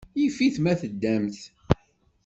Yif-it ma teddamt.